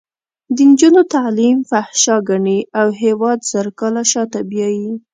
د نجونو تعلیم فحشا ګڼي او هېواد زر کاله شاته بیایي.